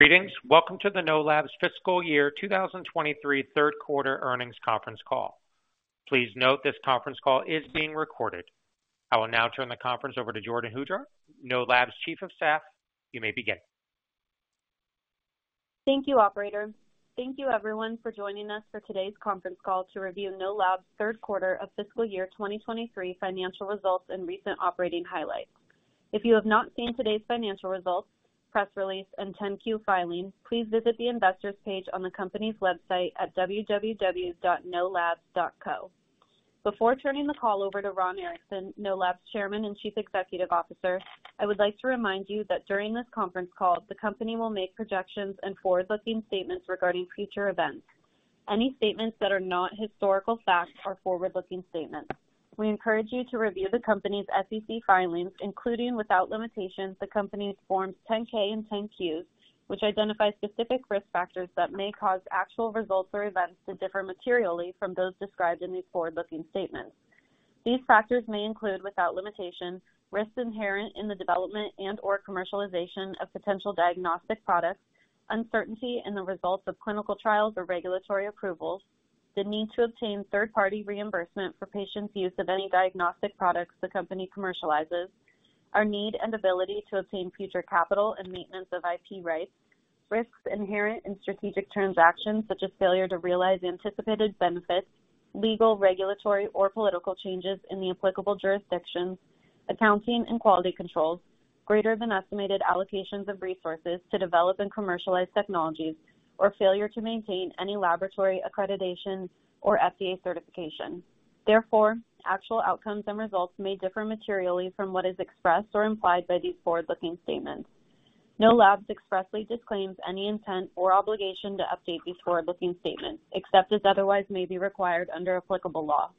Greetings! Welcome to the Know Labs Fiscal Year 2023 third quarter earnings conference call. Please note this conference call is being recorded. I will now turn the conference over to Jordyn Hujar, Know Labs' Chief of Staff. You may begin. Thank you, operator. Thank you everyone for joining us for today's conference call to review Know Labs' third quarter of fiscal year 2023 financial results and recent operating highlights. If you have not seen today's financial results, press release, and 10-Q filing, please visit the investors page on the company's website at www.knowlabs.co. Before turning the call over to Ron Erickson, Know Labs' Chairman and Chief Executive Officer, I would like to remind you that during this conference call, the company will make projections and forward-looking statements regarding future events. Any statements that are not historical facts are forward-looking statements. We encourage you to review the company's SEC filings, including, without limitation, the company's Forms 10-K and 10-Qs, which identify specific risk factors that may cause actual results or events to differ materially from those described in these forward-looking statements. These factors may include, without limitation, risks inherent in the development and/or commercialization of potential diagnostic products, uncertainty in the results of clinical trials or regulatory approvals, the need to obtain third-party reimbursement for patients' use of any diagnostic products the company commercializes, our need and ability to obtain future capital and maintenance of IP rights, risks inherent in strategic transactions, such as failure to realize anticipated benefits, legal, regulatory, or political changes in the applicable jurisdictions, accounting and quality controls, greater than estimated allocations of resources to develop and commercialize technologies, or failure to maintain any laboratory accreditation or FDA certification. Therefore, actual outcomes and results may differ materially from what is expressed or implied by these forward-looking statements. Know Labs expressly disclaims any intent or obligation to update these forward-looking statements, except as otherwise may be required under applicable law.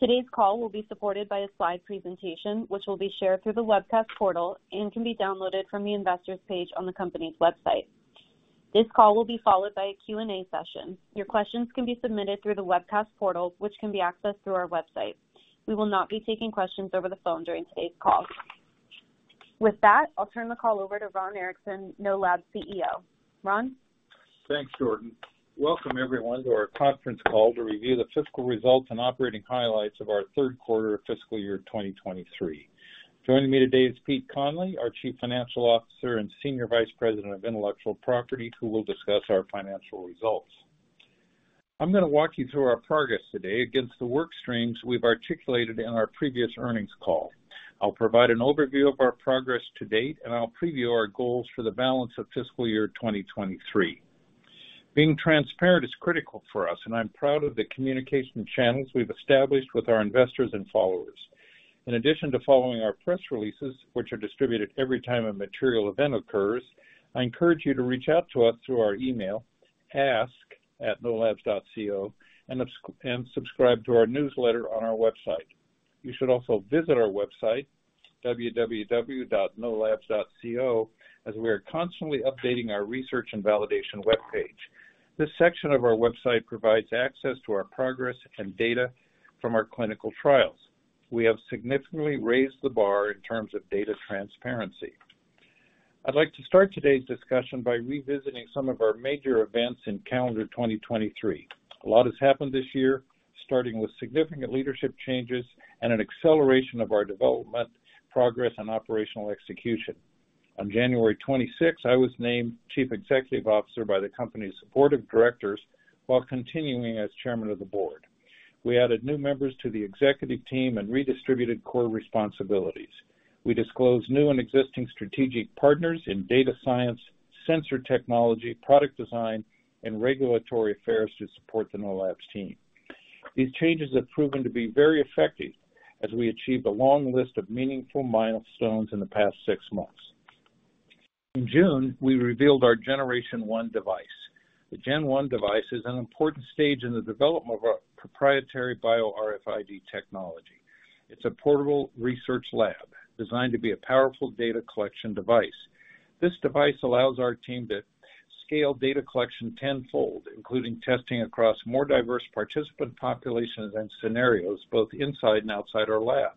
Today's call will be supported by a slide presentation, which will be shared through the webcast portal and can be downloaded from the Investors page on the company's website. This call will be followed by a Q&A session. Your questions can be submitted through the webcast portal, which can be accessed through our website. We will not be taking questions over the phone during today's call. With that, I'll turn the call over to Ron Erickson, Know Labs CEO. Ron? Thanks, Jordyn. Welcome everyone to our conference call to review the fiscal results and operating highlights of our third quarter of fiscal year 2023. Joining me today is Pete Conley, our Chief Financial Officer and Senior Vice President of Intellectual Property, who will discuss our financial results. I'm gonna walk you through our progress today against the work streams we've articulated in our previous earnings call. I'll provide an overview of our progress to date, and I'll preview our goals for the balance of fiscal year 2023. Being transparent is critical for us, and I'm proud of the communication channels we've established with our investors and followers. In addition to following our press releases, which are distributed every time a material event occurs, I encourage you to reach out to us through our email, ask@knowlabs.co, and subscribe to our newsletter on our website. You should also visit our website, www.knowlabs.co, as we are constantly updating our research and validation webpage. This section of our website provides access to our progress and data from our clinical trials. We have significantly raised the bar in terms of data transparency. I'd like to start today's discussion by revisiting some of our major events in calendar 2023. A lot has happened this year, starting with significant leadership changes and an acceleration of our development, progress, and operational execution. On January 26th, I was named Chief Executive Officer by the company's supportive directors while continuing as Chairman of the Board. We added new members to the executive team and redistributed core responsibilities. We disclosed new and existing strategic partners in data science, sensor technology, product design, and regulatory affairs to support the Know Labs team. These changes have proven to be very effective as we achieved a long list of meaningful milestones in the past six months. In June, we revealed our Generation 1 device. The Gen 1 device is an important stage in the development of our proprietary Bio-RFID technology. It's a portable research lab designed to be a powerful data collection device. This device allows our team to scale data collection tenfold, including testing across more diverse participant populations and scenarios, both inside and outside our lab.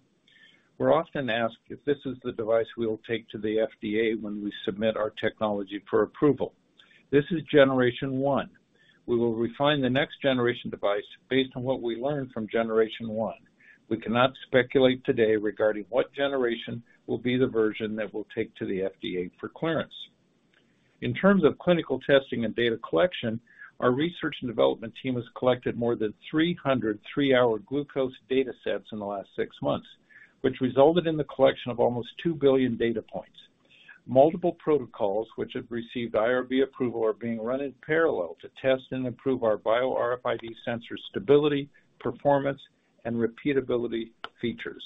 We're often asked if this is the device we will take to the FDA when we submit our technology for approval. This is Generation 1. We will refine the next generation device based on what we learn from Generation 1. We cannot speculate today regarding what generation will be the version that we'll take to the FDA for clearance. In terms of clinical testing and data collection, our research and development team has collected more than 300 3-hour glucose datasets in the last six months, which resulted in the collection of almost 2 billion data points. Multiple protocols, which have received IRB approval, are being run in parallel to test and improve our Bio-RFID sensor stability, performance, and repeatability features.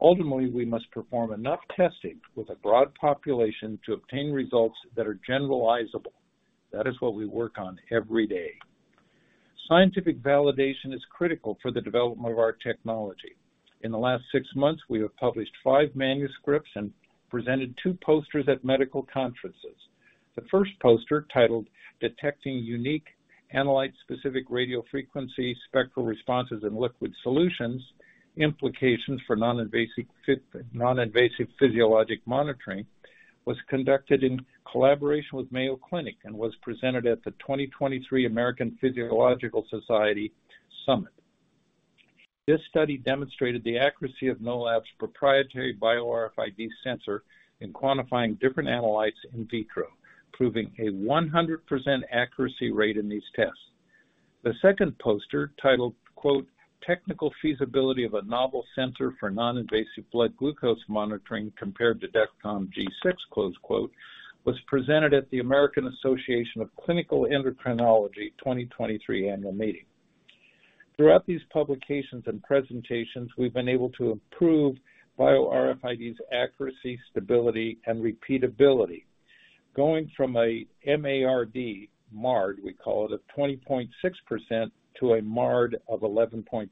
Ultimately, we must perform enough testing with a broad population to obtain results that are generalizable. That is what we work on every day. Scientific validation is critical for the development of our technology. In the last six months, we have published five manuscripts and presented two posters at medical conferences. The first poster, titled "Detecting Unique-... Analyte-specific radiofrequency spectral responses in liquid solutions: implications for non-invasive physiologic monitoring, was conducted in collaboration with Mayo Clinic and was presented at the 2023 American Physiological Society Summit. This study demonstrated the accuracy of Know Labs' proprietary Bio-RFID sensor in quantifying different analytes in vitro, proving a 100% accuracy rate in these tests. The second poster, titled, quote, "Technical Feasibility of a Novel Sensor for Non-Invasive Blood Glucose Monitoring Compared to Dexcom G6," close quote, was presented at the American Association of Clinical Endocrinology 2023 Annual Meeting. Throughout these publications and presentations, we've been able to improve Bio-RFID's accuracy, stability, and repeatability. Going from a M-A-R-D, MARD, we call it, a 20.6% to a MARD of 11.3%,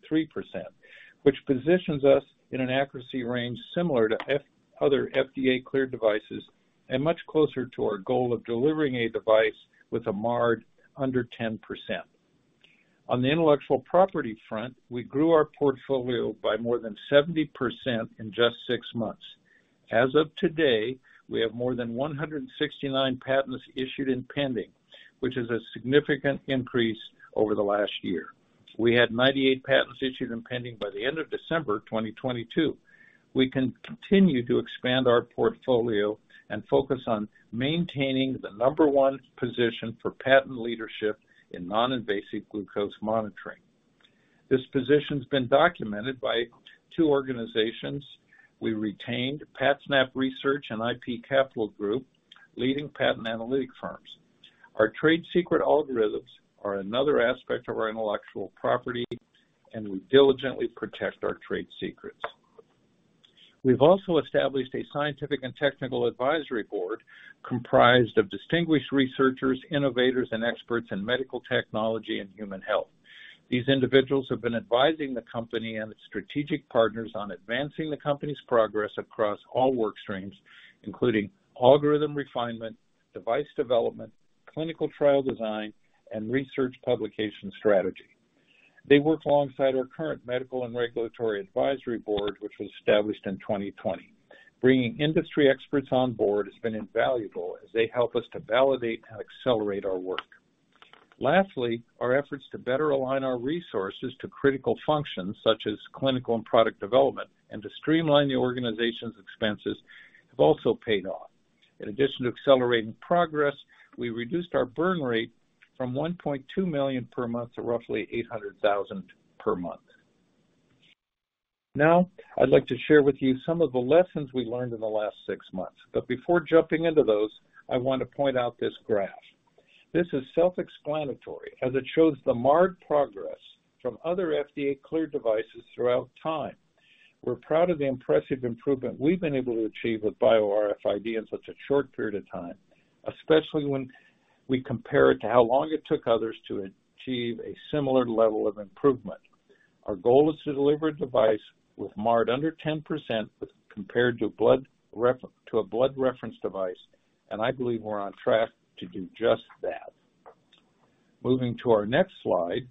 which positions us in an accuracy range similar to other FDA-cleared devices and much closer to our goal of delivering a device with a MARD under 10%. On the intellectual property front, we grew our portfolio by more than 70% in just six months. As of today, we have more than 169 patents issued and pending, which is a significant increase over the last year. We had 98 patents issued and pending by the end of December 2022. We continue to expand our portfolio and focus on maintaining the number one position for patent leadership in non-invasive glucose monitoring. This position's been documented by two organizations. We retained PatSnap Research and IP Capital Group, leading patent analytic firms. Our trade secret algorithms are another aspect of our intellectual property, and we diligently protect our trade secrets. We've also established a scientific and technical advisory board comprised of distinguished researchers, innovators, and experts in medical technology and human health. These individuals have been advising the company and its strategic partners on advancing the company's progress across all work streams, including algorithm refinement, device development, clinical trial design, and research publication strategy. They work alongside our current Medical and Regulatory Advisory Board, which was established in 2020. Bringing industry experts on board has been invaluable as they help us to validate and accelerate our work. Lastly, our efforts to better align our resources to critical functions, such as clinical and product development, and to streamline the organization's expenses, have also paid off. In addition to accelerating progress, we reduced our burn rate from $1.2 million per month to roughly $800,000 per month. I'd like to share with you some of the lessons we learned in the last six months. Before jumping into those, I want to point out this graph. This is self-explanatory, as it shows the MARD progress from other FDA-cleared devices throughout time. We're proud of the impressive improvement we've been able to achieve with Bio-RFID in such a short period of time, especially when we compare it to how long it took others to achieve a similar level of improvement. Our goal is to deliver a device with MARD under 10% with, compared to a blood reference device. I believe we're on track to do just that. Moving to our next slide.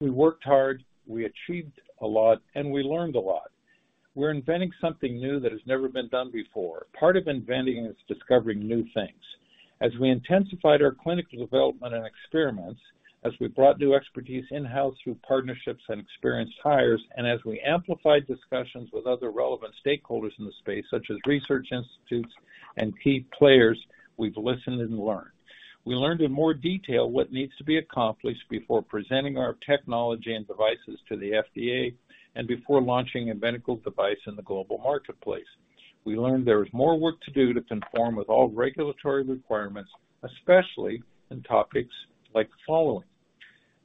We worked hard, we achieved a lot, and we learned a lot. We're inventing something new that has never been done before. Part of inventing is discovering new things. As we intensified our clinical development and experiments, as we brought new expertise in-house through partnerships and experienced hires, and as we amplified discussions with other relevant stakeholders in the space, such as research institutes and key players, we've listened and learned. We learned in more detail what needs to be accomplished before presenting our technology and devices to the FDA and before launching a medical device in the global marketplace. We learned there is more work to do to conform with all regulatory requirements, especially in topics like the following: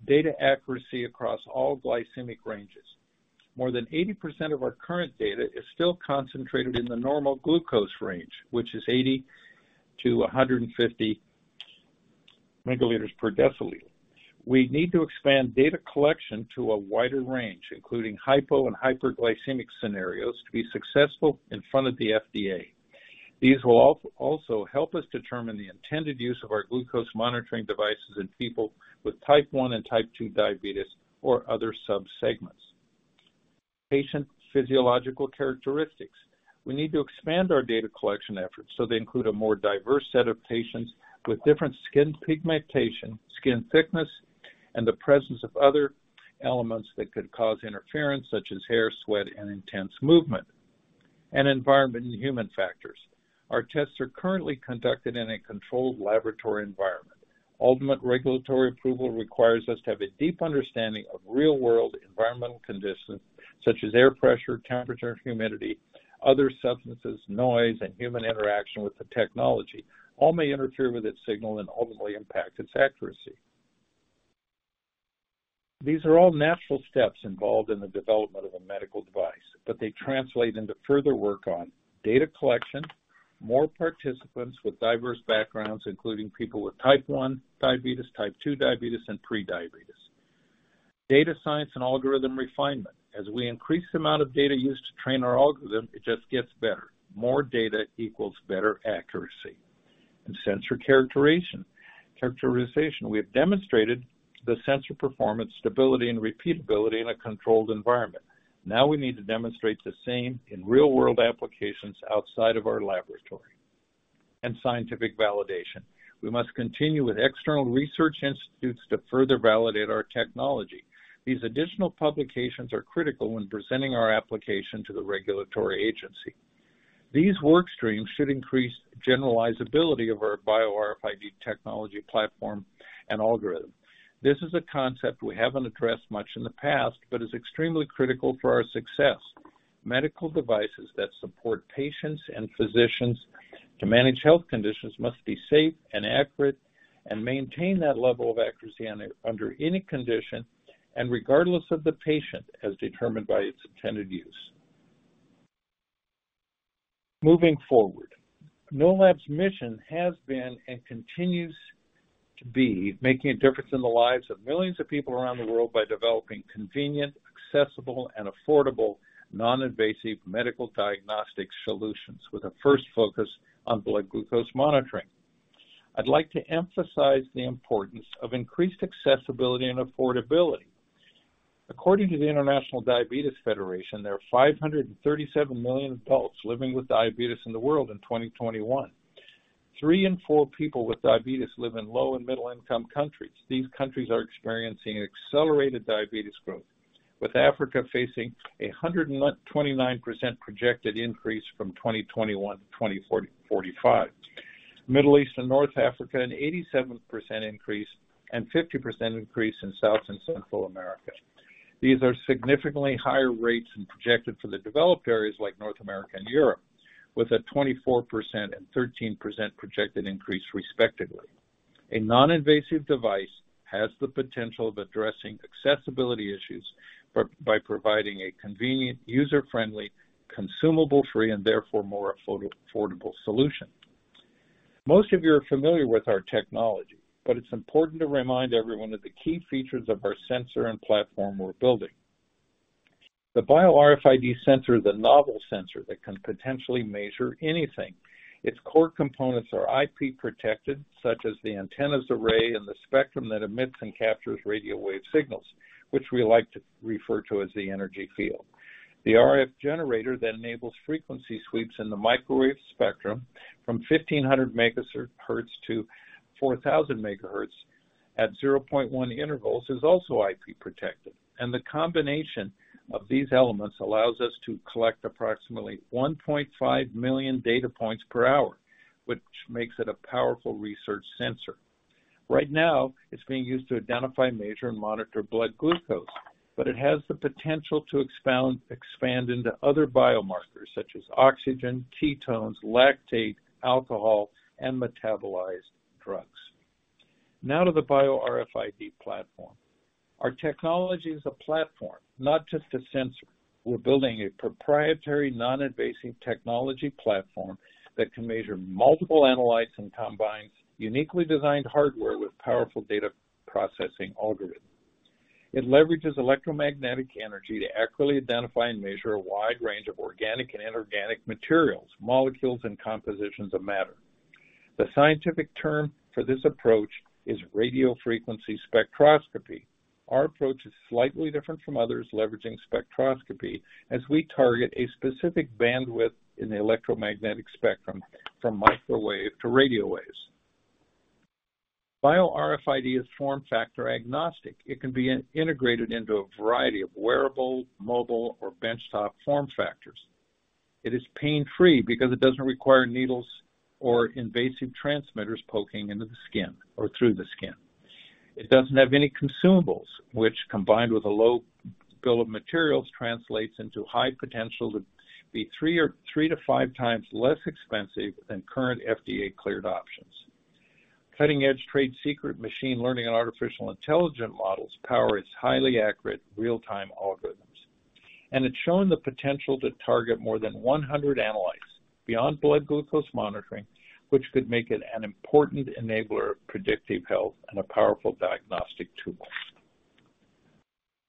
data accuracy across all glycemic ranges. More than 80% of our current data is still concentrated in the normal glucose range, which is 80-150 milligrams per deciliter. We need to expand data collection to a wider range, including hypo and hyperglycemic scenarios, to be successful in front of the FDA. These will also help us determine the intended use of our glucose monitoring devices in people with type 1 and type 2 diabetes or other subsegments. Patient physiological characteristics. We need to expand our data collection efforts so they include a more diverse set of patients with different skin pigmentation, skin thickness, and the presence of other elements that could cause interference, such as hair, sweat, and intense movement. Environment and human factors. Our tests are currently conducted in a controlled laboratory environment. Ultimate regulatory approval requires us to have a deep understanding of real-world environmental conditions, such as air pressure, temperature, humidity, other substances, noise, and human interaction with the technology. All may interfere with its signal and ultimately impact its accuracy. These are all natural steps involved in the development of a medical device, but they translate into further work on data collection, more participants with diverse backgrounds, including people with type 1 diabetes, type 2 diabetes, and prediabetes. Data science and algorithm refinement. As we increase the amount of data used to train our algorithm, it just gets better. More data equals better accuracy. Sensor characterization. We have demonstrated the sensor performance, stability, and repeatability in a controlled environment. Now we need to demonstrate the same in real-world applications outside of our laboratory. Scientific validation. We must continue with external research institutes to further validate our technology. These additional publications are critical when presenting our application to the regulatory agency. These work streams should increase generalizability of our Bio-RFID technology platform and algorithm. This is a concept we haven't addressed much in the past, but is extremely critical for our success. Medical devices that support patients and physicians to manage health conditions must be safe and accurate, and maintain that level of accuracy under any condition and regardless of the patient, as determined by its intended use. Moving forward, Know Labs' mission has been and continues to be making a difference in the lives of millions of people around the world by developing convenient, accessible, and affordable non-invasive medical diagnostic solutions, with a first focus on blood glucose monitoring. I'd like to emphasize the importance of increased accessibility and affordability. According to the International Diabetes Federation, there are 537 million adults living with diabetes in the world in 2021. 3 in 4 people with diabetes live in low and middle-income countries. These countries are experiencing accelerated diabetes growth, with Africa facing a 129% projected increase from 2021 to 2045. Middle East and North Africa, an 87% increase, and 50% increase in South and Central America. These are significantly higher rates than projected for the developed areas like North America and Europe, with a 24% and 13% projected increase, respectively. A non-invasive device has the potential of addressing accessibility issues by providing a convenient, user-friendly, consumable-free, and therefore more affordable solution. Most of you are familiar with our technology, but it's important to remind everyone of the key features of our sensor and platform we're building. The Bio-RFID sensor is a novel sensor that can potentially measure anything. Its core components are IP-protected, such as the antenna array and the spectrum that emits and captures radio wave signals, which we like to refer to as the energy field. The RF generator that enables frequency sweeps in the microwave spectrum from 1,500 MHz to 4,000 MHz at 0.1 intervals is also IP-protected. The combination of these elements allows us to collect approximately 1.5 million data points per hour, which makes it a powerful research sensor. Right now, it's being used to identify, measure, and monitor blood glucose, but it has the potential to expand into other biomarkers such as oxygen, ketones, lactate, alcohol, and metabolized drugs. Now to the Bio-RFID platform. Our technology is a platform, not just a sensor. We're building a proprietary, non-invasive technology platform that can measure multiple analytes and combines uniquely designed hardware with powerful data processing algorithms. It leverages electromagnetic energy to accurately identify and measure a wide range of organic and inorganic materials, molecules, and compositions of matter. The scientific term for this approach is radiofrequency spectroscopy. Our approach is slightly different from others leveraging spectroscopy, as we target a specific bandwidth in the electromagnetic spectrum, from microwave to radio waves. Bio-RFID is form factor agnostic. It can be integrated into a variety of wearable, mobile, or benchtop form factors. It is pain-free because it doesn't require needles or invasive transmitters poking into the skin or through the skin. It doesn't have any consumables, which, combined with a low bill of materials, translates into high potential to be three or three to five times less expensive than current FDA-cleared options. Cutting-edge trade secret machine learning and artificial intelligent models power its highly accurate real-time algorithms. It's shown the potential to target more than 100 analytes beyond blood glucose monitoring, which could make it an important enabler of predictive health and a powerful diagnostic tool.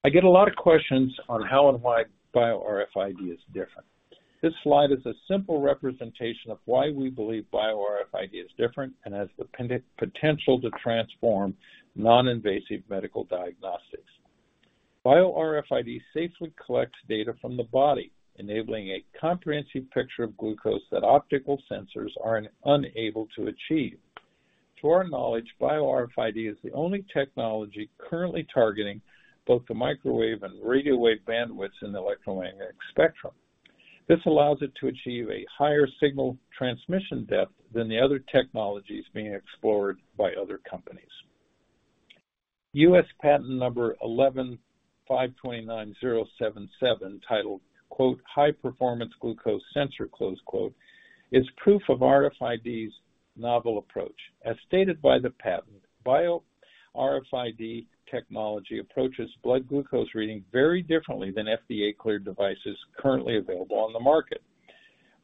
I get a lot of questions on how and why Bio-RFID is different. This slide is a simple representation of why we believe Bio-RFID is different and has the potential to transform non-invasive medical diagnostics. Bio-RFID safely collects data from the body, enabling a comprehensive picture of glucose that optical sensors are unable to achieve. To our knowledge, Bio-RFID is the only technology currently targeting both the microwave and radio wave bandwidths in the electromagnetic spectrum. This allows it to achieve a higher signal transmission depth than the other technologies being explored by other companies. U.S. Patent No. 11,529,077, titled, "High-Performance Glucose Sensor," is proof of RFID's novel approach. As stated by the patent, Bio-RFID technology approaches blood glucose reading very differently than FDA-cleared devices currently available on the market.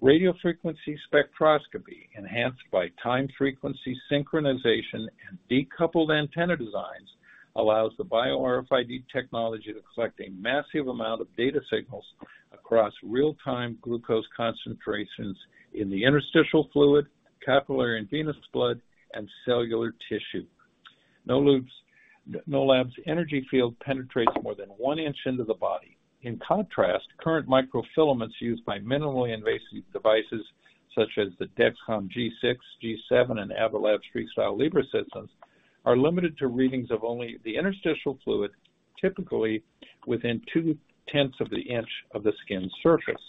Radiofrequency spectroscopy, enhanced by time-frequency synchronization and decoupled antenna designs, allows the Bio-RFID technology to collect a massive amount of data signals across real-time glucose concentrations in the interstitial fluid, capillary and venous blood, and cellular tissue. Know Labs' energy field penetrates more than one inch into the body. In contrast, current microfilaments used by minimally invasive devices, such as the Dexcom G6, G7, and Abbott Laboratories FreeStyle Libre systems, are limited to readings of only the interstitial fluid, typically within 0.2 inches of the skin's surface.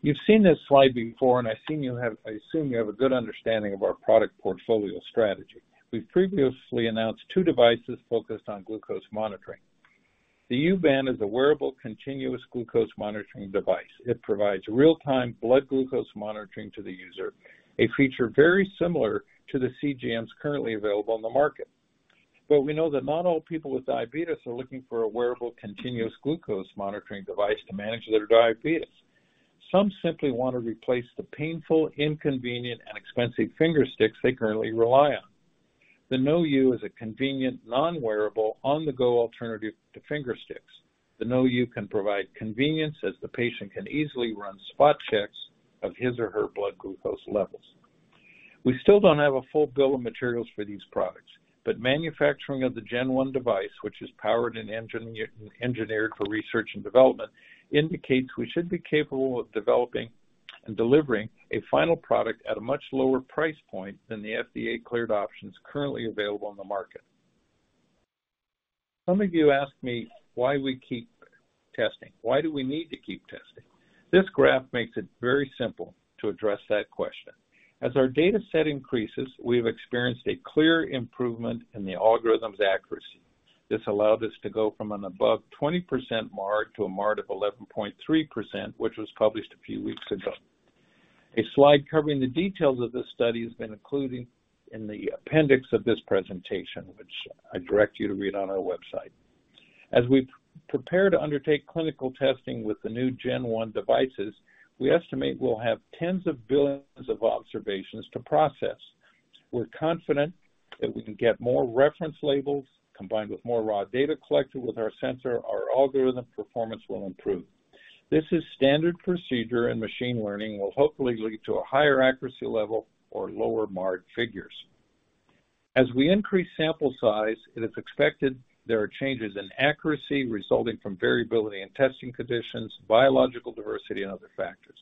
You've seen this slide before. I've seen I assume you have a good understanding of our product portfolio strategy. We've previously announced two devices focused on glucose monitoring. The UBand is a wearable continuous glucose monitoring device. It provides real-time blood glucose monitoring to the user, a feature very similar to the CGMs currently available on the market. We know that not all people with diabetes are looking for a wearable, continuous glucose monitoring device to manage their diabetes. Some simply want to replace the painful, inconvenient, and expensive finger sticks they currently rely on. The KnowU is a convenient, non-wearable, on-the-go alternative to finger sticks. The KnowU can provide convenience, as the patient can easily run spot checks of his or her blood glucose levels. We still don't have a full bill of materials for these products, but manufacturing of the Gen 1 device, which is powered and engineered for research and development, indicates we should be capable of developing and delivering a final product at a much lower price point than the FDA-cleared options currently available on the market. Some of you ask me why we keep testing. Why do we need to keep testing? This graph makes it very simple to address that question. As our data set increases, we've experienced a clear improvement in the algorithm's accuracy. This allowed us to go from an above 20% MARD to a MARD of 11.3%, which was published a few weeks ago. A slide covering the details of this study has been included in the appendix of this presentation, which I direct you to read on our website. As we prepare to undertake clinical testing with the new Gen 1 devices, we estimate we'll have tens of billions of observations to process. We're confident that we can get more reference labels. Combined with more raw data collected with our sensor, our algorithm performance will improve. Machine learning will hopefully lead to a higher accuracy level or lower MARD figures. As we increase sample size, it is expected there are changes in accuracy resulting from variability in testing conditions, biological diversity, and other factors.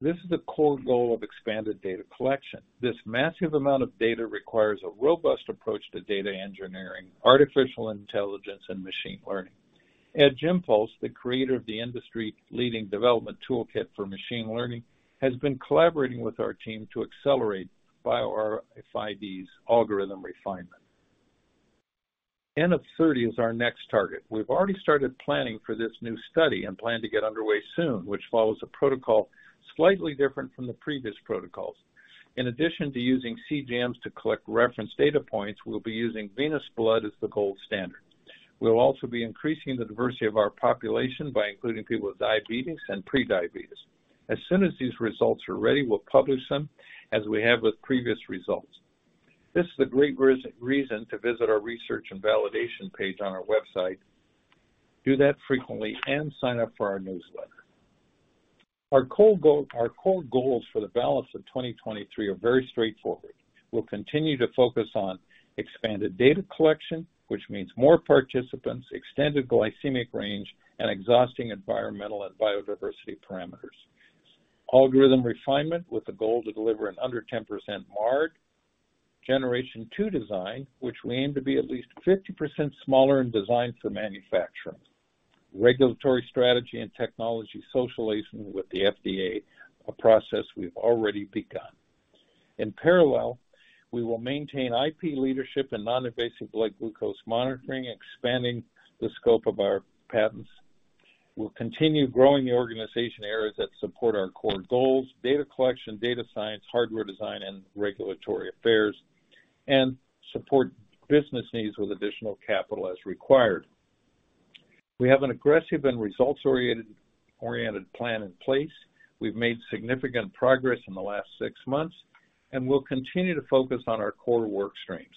This is the core goal of expanded data collection. This massive amount of data requires a robust approach to data engineering, artificial intelligence, and machine learning. Edge Impulse, the creator of the industry-leading development toolkit for machine learning, has been collaborating with our team to accelerate Bio-RFID's algorithm refinement. N=30 is our next target. We've already started planning for this new study and plan to get underway soon, which follows a protocol slightly different from the previous protocols. In addition to using CGMs to collect reference data points, we'll be using venous blood as the gold standard. We'll also be increasing the diversity of our population by including people with diabetes and prediabetes. As soon as these results are ready, we'll publish them, as we have with previous results. This is a great reason to visit our research and validation page on our website. Do that frequently and sign up for our newsletter. Our core goal, our core goals for the balance of 2023 are very straightforward. We'll continue to focus on expanded data collection, which means more participants, extended glycemic range, and exhausting environmental and biodiversity parameters. Algorithm refinement with the goal to deliver an under 10% MARD. Generation 2 design, which we aim to be at least 50% smaller and designed for manufacturing. Regulatory strategy and technology socialization with the FDA, a process we've already begun. In parallel, we will maintain IP leadership in non-invasive blood glucose monitoring, expanding the scope of our patents. We'll continue growing the organization areas that support our core goals, data collection, data science, hardware design, and regulatory affairs, and support business needs with additional capital as required. We have an aggressive and results-oriented plan in place. We've made significant progress in the last six months. We'll continue to focus on our core work streams: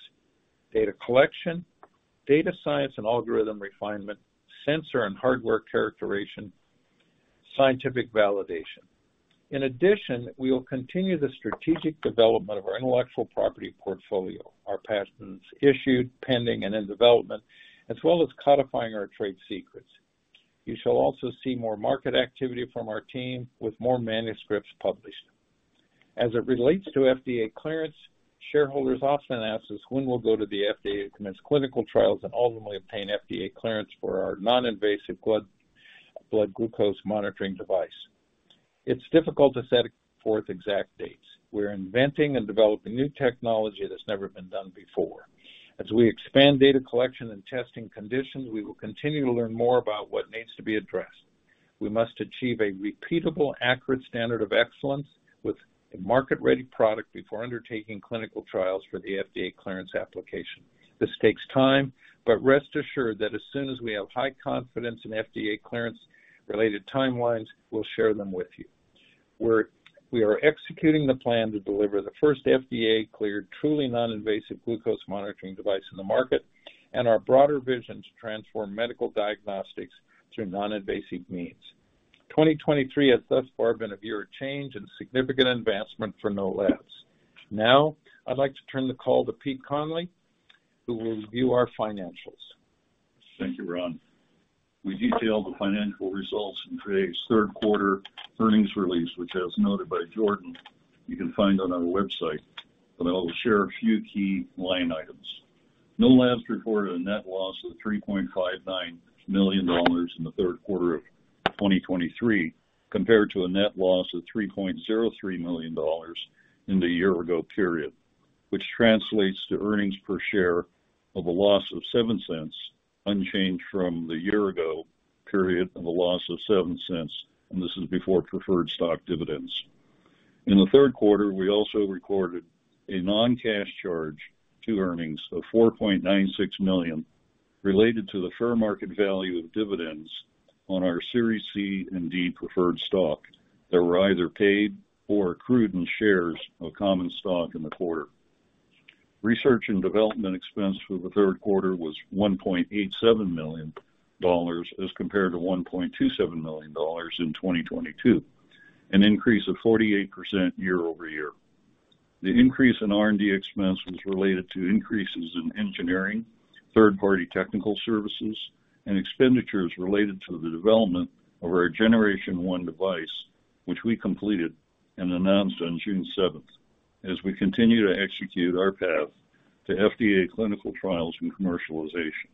data collection, data science and algorithm refinement, sensor and hardware characterization, scientific validation. In addition, we will continue the strategic development of our intellectual property portfolio, our patents issued, pending, and in development, as well as codifying our trade secrets. You shall also see more market activity from our team with more manuscripts published. As it relates to FDA clearance, shareholders often ask us when we'll go to the FDA to commence clinical trials and ultimately obtain FDA clearance for our non-invasive blood, blood glucose monitoring device. It's difficult to set forth exact dates. We're inventing and developing new technology that's never been done before. As we expand data collection and testing conditions, we will continue to learn more about what needs to be addressed. We must achieve a repeatable, accurate standard of excellence with a market-ready product before undertaking clinical trials for the FDA clearance application. This takes time, but rest assured that as soon as we have high confidence in FDA clearance-related timelines, we'll share them with you. We are executing the plan to deliver the first FDA-cleared, truly non-invasive glucose monitoring device in the market, and our broader vision to transform medical diagnostics through non-invasive means. 2023 has thus far been a year of change and significant advancement for Know Labs. Now, I'd like to turn the call to Pete Conley, who will review our financials. Thank you, Ron. I will share a few key line items. Know Labs reported a net loss of $3.59 million in the third quarter of 2023, compared to a net loss of $3.03 million in the year-ago period, which translates to earnings per share of a loss of $0.07, unchanged from the year-ago period of a loss of $0.07, and this is before preferred stock dividends. In the third quarter, we also recorded a non-cash charge to earnings of $4.96 million, related to the fair market value of dividends on our Series C and D preferred stock, that were either paid or accrued in shares of common stock in the quarter. Research and development expense for the third quarter was $1.87 million, as compared to $1.27 million in 2022, an increase of 48% year-over-year. The increase in R&D expense was related to increases in engineering, third-party technical services, and expenditures related to the development of our Generation 1 device, which we completed and announced on June 7th, as we continue to execute our path to FDA clinical trials and commercialization.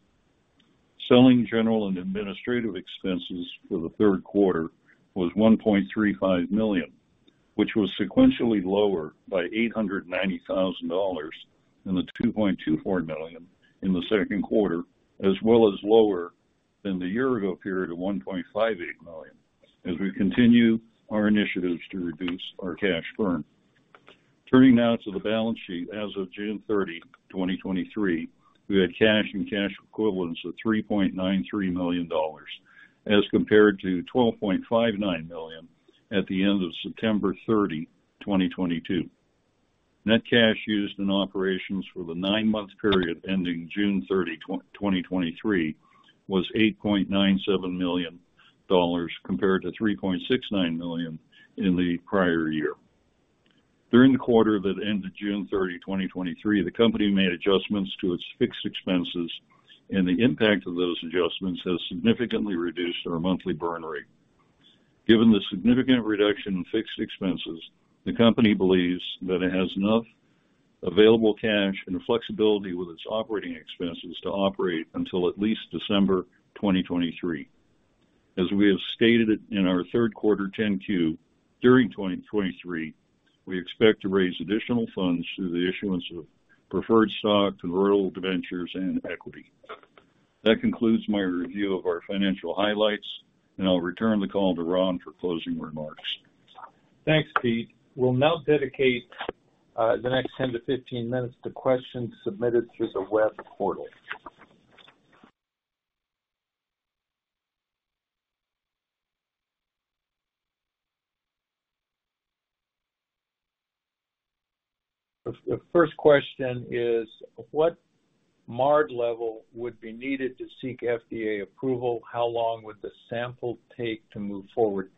Selling, general, and administrative expenses for the third quarter was $1.35 million, which was sequentially lower by $890,000 than the $2.24 million in the second quarter, as well as lower than the year-ago period of $1.58 million, as we continue our initiatives to reduce our cash burn. Turning now to the balance sheet. As of June 30, 2023, we had cash and cash equivalents of $3.93 million, as compared to $12.59 million at the end of September 30, 2022. Net cash used in operations for the nine-month period ending June 30, 2023, was $8.97 million, compared to $3.69 million in the prior year. During the quarter that ended June 30, 2023, the company made adjustments to its fixed expenses, and the impact of those adjustments has significantly reduced our monthly burn rate. Given the significant reduction in fixed expenses, the company believes that it has enough available cash and flexibility with its operating expenses to operate until at least December 2023. As we have stated it in our third quarter 10-Q, during 2023, we expect to raise additional funds through the issuance of preferred stock, convertible debentures, and equity. That concludes my review of our financial highlights, and I'll return the call to Ron for closing remarks. Thanks, Pete. We'll now dedicate the next 10 to 15 minutes to questions submitted through the web portal. The first question is: What MARD level would be needed to seek FDA approval? How long would the sample take to move forward?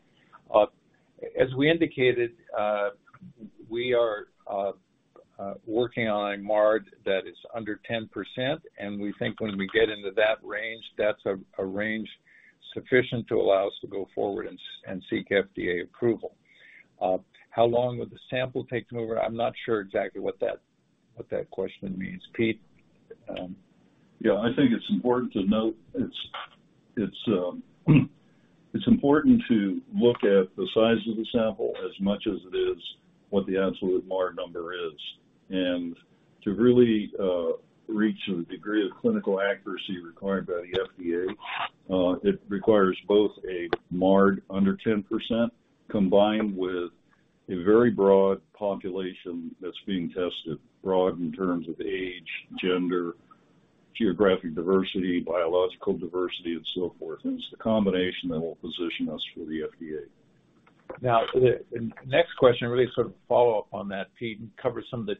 As we indicated, we are working on a MARD that is under 10%, and we think when we get into that range, that's a range sufficient to allow us to go forward and seek FDA approval. How long would the sample take to move? I'm not sure exactly what that question means. Pete. Yeah, I think it's important to note it's, it's important to look at the size of the sample as much as it is what the absolute MARD number is. To really reach the degree of clinical accuracy required by the FDA, it requires both a MARD under 10%, combined with a very broad population that's being tested. Broad in terms of age, gender, geographic diversity, biological diversity, and so forth. It's the combination that will position us for the FDA. The next question really sort of follow-up on that, Pete, and covers some of the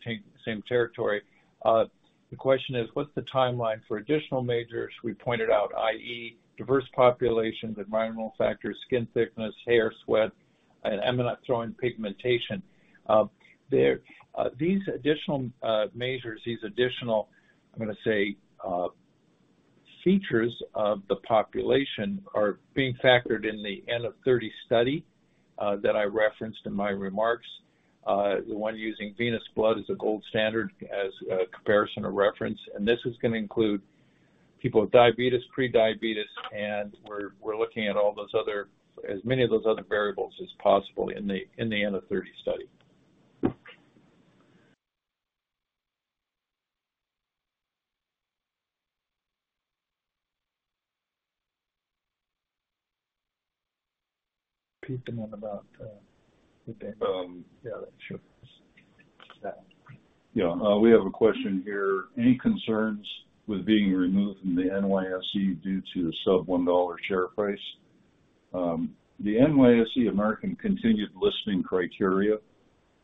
same territory. The question is: What's the timeline for additional measures we pointed out, i.e., diverse populations, environmental factors, skin thickness, hair, sweat, and I'm gonna throw in pigmentation? There, these additional measures, these additional, I'm gonna say, features of the population are being factored in the N of 30 study, that I referenced in my remarks. The one using venous blood as a gold standard as a comparison or reference, and this is gonna include people with diabetes, prediabetes, and we're, we're looking at all those other... as many of those other variables as possible in the, in the N of 30 study.... Pete, the one about, yeah, that should. We have a question here: Any concerns with being removed from the NYSE due to the sub $1 share price? The NYSE American continued listing criteria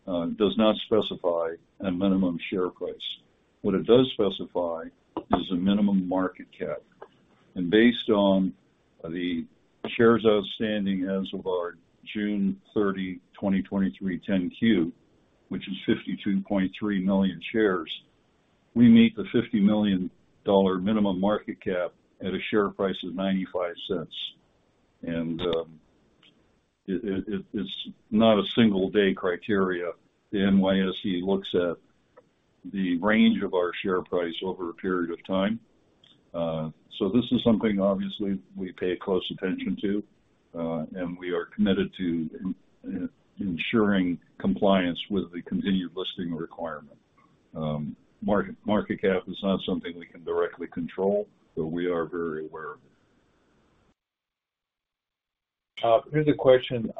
does not specify a minimum share price. What it does specify is a minimum market cap. Based on the shares outstanding as of our June 30, 2023, 10-Q, which is 52.3 million shares, we meet the $50 million minimum market cap at a share price of $0.95. It's not a single day criteria. The NYSE looks at the range of our share price over a period of time. This is something obviously we pay close attention to, and we are committed to ensuring compliance with the continued listing requirement. Market, market cap is not something we can directly control, but we are very aware of it. Here's a question.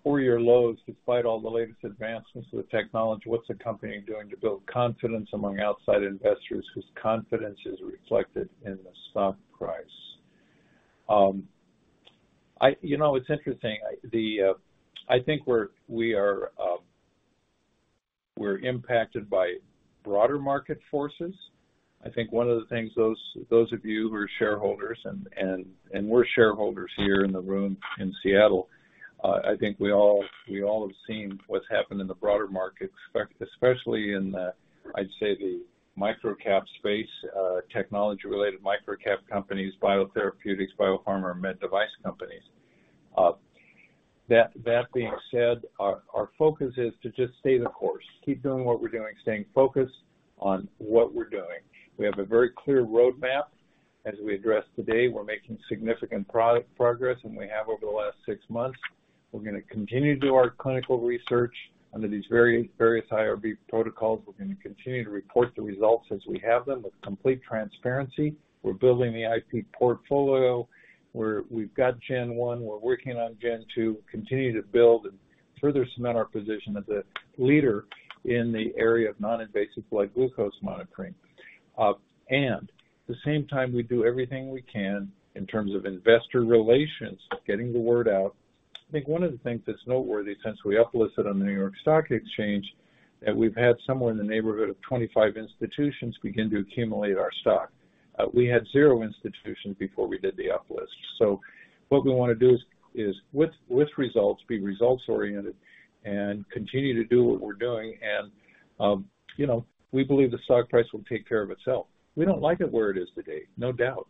With the stock at 4-year lows, despite all the latest advancements with technology, what's the company doing to build confidence among outside investors, whose confidence is reflected in the stock price? I-- you know, it's interesting. I, the, I think we're, we are, we're impacted by broader market forces. I think one of the things those, those of you who are shareholders, and, and, and we're shareholders here in the room in Seattle, I think we all, we all have seen what's happened in the broader market, especially in the, I'd say the microcap space, technology-related microcap companies, biotherapeutics, biopharma, or med device companies. That, that being said, our, our focus is to just stay the course, keep doing what we're doing, staying focused on what we're doing. We have a very clear roadmap. As we addressed today, we're making significant progress, and we have over the last six months. We're gonna continue to do our clinical research under these various, various IRB protocols. We're gonna continue to report the results as we have them with complete transparency. We're building the I.P. portfolio, where we've got Gen 1, we're working on Gen 2, continue to build and further cement our position as a leader in the area of non-invasive blood glucose monitoring. At the same time, we do everything we can in terms of investor relations, getting the word out. I think one of the things that's noteworthy since we uplisted on the New York Stock Exchange, that we've had somewhere in the neighborhood of 25 institutions begin to accumulate our stock. We had 0 institutions before we did the uplist. What we want to do is, is with, with results, be results-oriented and continue to do what we're doing. You know, we believe the stock price will take care of itself. We don't like it where it is today, no doubt.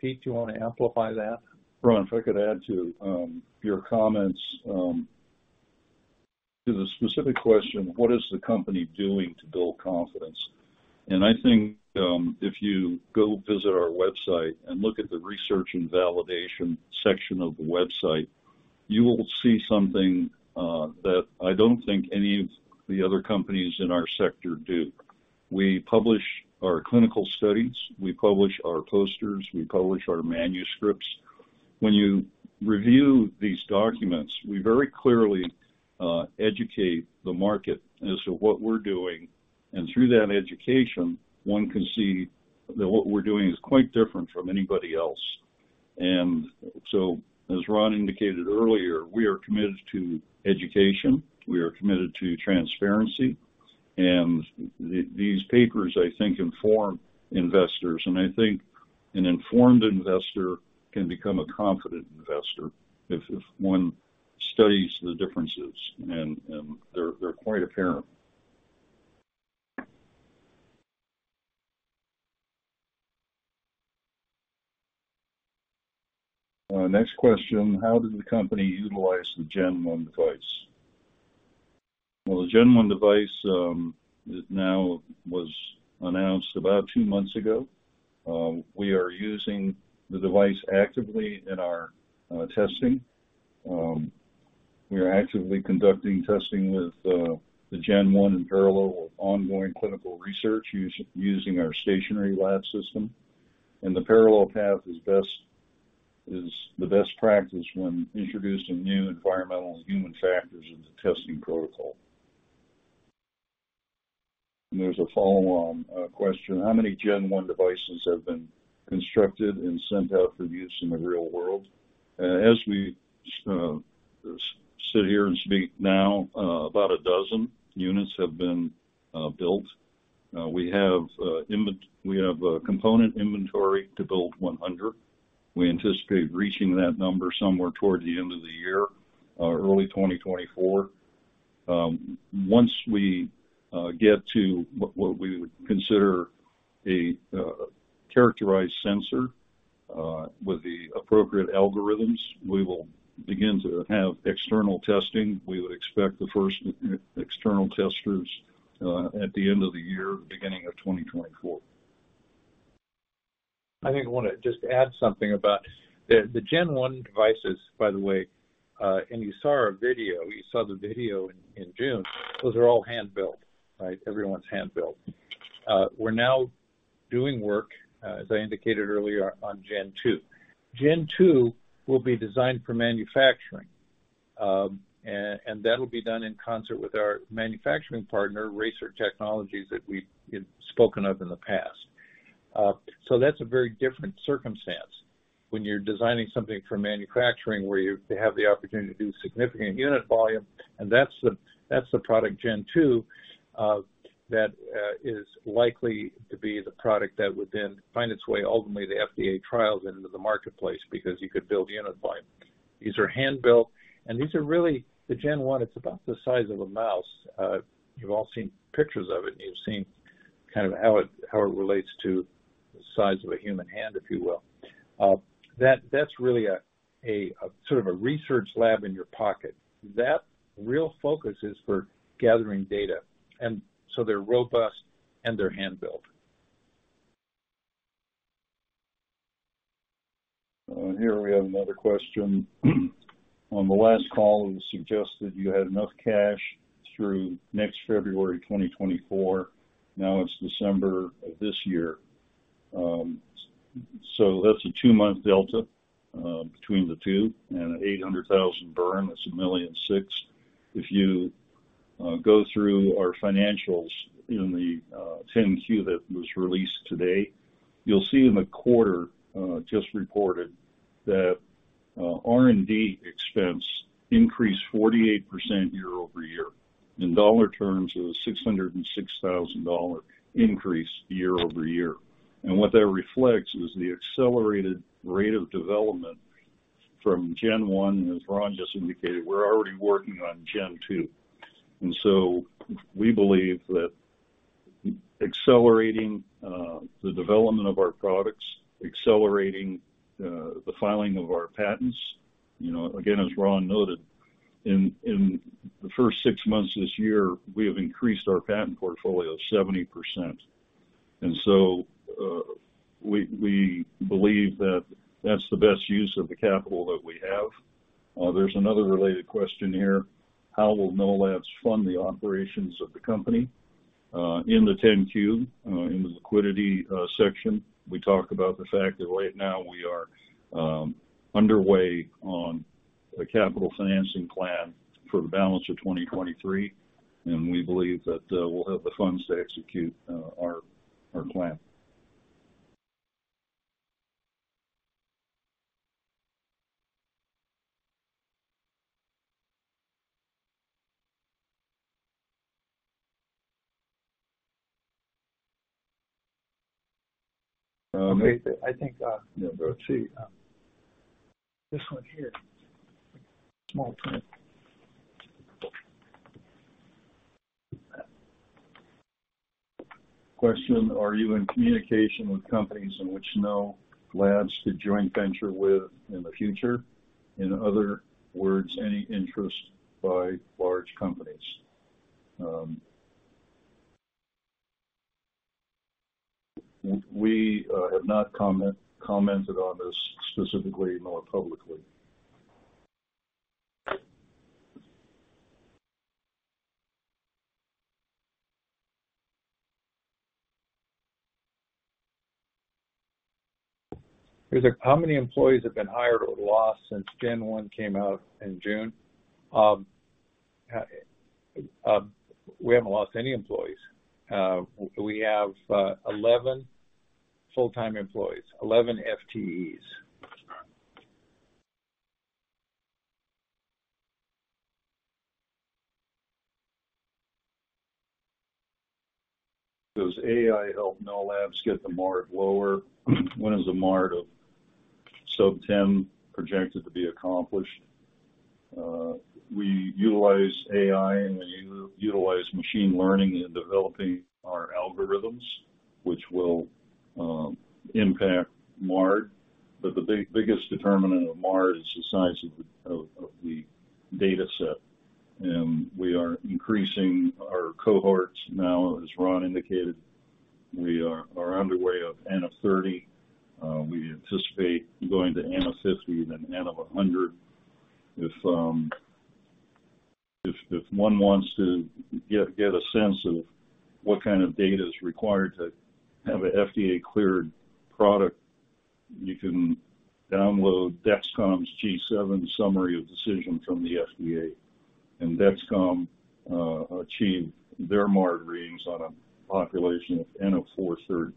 Pete, do you want to amplify that? Ron, if I could add to your comments, to the specific question, what is the company doing to build confidence? I think, if you go visit our website and look at the research and validation section of the website, you will see something that I don't think any of the other companies in our sector do. We publish our clinical studies. We publish our posters. We publish our manuscripts. When you review these documents, we very clearly educate the market as to what we're doing, and through that education, one can see that what we're doing is quite different from anybody else. So, as Ron indicated earlier, we are committed to education. We are committed to transparency. The- these papers, I think, inform investors, and I think an informed investor can become a confident investor if, if one studies the differences, and, and they're, they're quite apparent. Next question: How did the company utilize the Gen 1 device? Well, the Gen 1 device, it now was announced about two months ago. We are using the device actively in our testing. We are actively conducting testing with the Gen 1 in parallel with ongoing clinical research using our stationary lab system. The parallel path is best, is the best practice when introducing new environmental and human factors in the testing protocol. There's a follow-on question: How many Gen 1 devices have been constructed and sent out for use in the real world? As we sit here and speak now, about 12 units have been built. We have, we have a component inventory to build 100. We anticipate reaching that number somewhere toward the end of the year, early 2024. Once we get to what, what we would consider a characterized sensor, with the appropriate algorithms, we will begin to have external testing. We would expect the first external test groups, at the end of the year, beginning of 2024. I think I want to just add something about. The Gen 1 devices, by the way, you saw our video, you saw the video in June. Those are all hand-built, right? Every one's hand-built. We're now doing work, as I indicated earlier, on Gen 2. Gen 2 will be designed for manufacturing. That'll be done in concert with our manufacturing partner, Racer Technologies, that we've spoken of in the past. That's a very different circumstance when you're designing something for manufacturing, where you have the opportunity to do significant unit volume, and that's the product Gen 2 that is likely to be the product that would then find its way ultimately to FDA trials and into the marketplace, because you could build unit volume. These are hand-built, and these are really. The Gen 1, it's about the size of a mouse. You've all seen pictures of it, and you've seen kind of how it relates to the size of a human hand, if you will. That's really a sort of a research lab in your pocket. That real focus is for gathering data. They're robust, and they're hand-built. Here we have another question. On the last call, it was suggested you had enough cash through next February 2024. Now it's December of this year. So that's a two-month delta between the two, and an $800,000 burn, that's $1.6 million. If you go through our financials in the 10-Q that was released today, you'll see in the quarter just reported, that R&D expense increased 48% year-over-year. In dollar terms, it was a $606,000 increase year-over-year. What that reflects is the accelerated rate of development from Gen 1, and as Ron just indicated, we're already working on Gen 2. We believe that accelerating the development of our products, accelerating the filing of our patents, you know, again, as Ron noted, in the first six months of this year, we have increased our patent portfolio 70%. We, we believe that that's the best use of the capital that we have. There's another related question here: How will Know Labs fund the operations of the company? In the 10-Q, in the liquidity section, we talk about the fact that right now we are underway on a capital financing plan for the balance of 2023, and we believe that we'll have the funds to execute our plan. Okay. I think. Yeah, let's see. This one here. Small print. Question: Are you in communication with companies in which Know Labs could joint venture with in the future? In other words, any interest by large companies? We have not commented on this specifically, nor publicly. How many employees have been hired or lost since Gen 1 came out in June? We haven't lost any employees. We have 11 full-time employees, 11 FTEs. Does AI help Know Labs get the MARD lower? When is the MARD of sub-10 projected to be accomplished? We utilize AI, and we utilize machine learning in developing our algorithms, which will impact MARD. The biggest determinant of MARD is the size of the data set, and we are increasing our cohorts now. As Ron indicated, we are underway of N=30. We anticipate going to N=50 and then N=100. If one wants to get a sense of what kind of data is required to have an FDA-cleared product, you can download Dexcom's G7 summary of decision from the FDA, and Dexcom achieved their MARD readings on a population of N=430.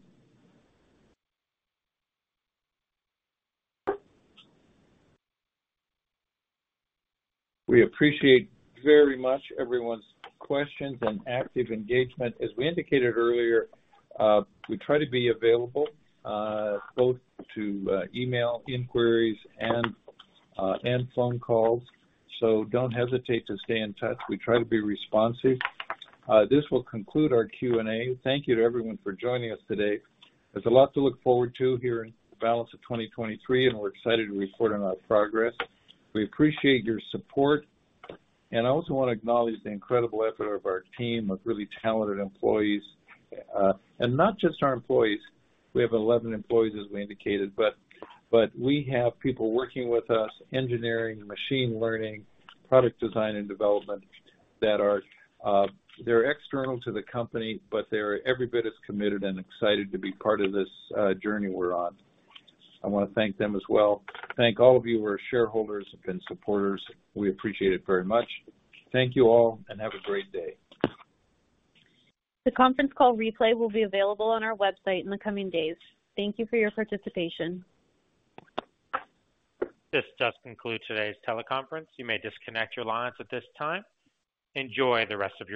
We appreciate very much everyone's questions and active engagement. As we indicated earlier, we try to be available both to email inquiries and phone calls. Don't hesitate to stay in touch. We try to be responsive. This will conclude our Q&A. Thank you to everyone for joining us today. There's a lot to look forward to here in the balance of 2023. We're excited to report on our progress. We appreciate your support. I also want to acknowledge the incredible effort of our team of really talented employees. Not just our employees. We have 11 employees, as we indicated, but we have people working with us, engineering, machine learning, product design, and development, that are external to the company, but they're every bit as committed and excited to be part of this journey we're on. I want to thank them as well. Thank all of you who are shareholders and supporters. We appreciate it very much. Thank you all, and have a great day. The conference call replay will be available on our website in the coming days. Thank you for your participation. This does conclude today's teleconference. You may disconnect your lines at this time. Enjoy the rest of your day.